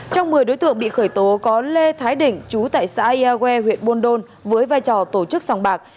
trong một mươi đối tượng bị khởi tố có lê thái định chú tại xã ea hua huyện bôn đôn với vai trò tổ chức sòng bạc